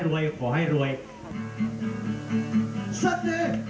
ขอบคุณมากครับขอให้รวยขอให้รวยขอให้รวย